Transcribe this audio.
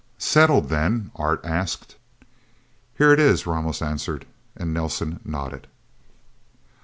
"Settled, then?" Art asked. "Here, it is," Ramos answered, and Nelsen nodded.